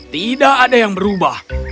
tidak ada yang berubah